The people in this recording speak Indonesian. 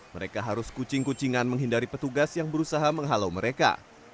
mereka harus kucing kucingan menghindari petugas yang berusaha menghalau mereka